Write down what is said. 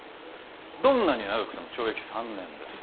どんなに長くても懲役３年です